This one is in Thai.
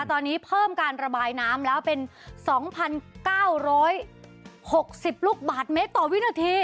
ตอนนี้เพิ่มการระบายน้ำแล้วเป็นสองพันเก้าร้อยหกสิบลูกบาทเมตรต่อวินาที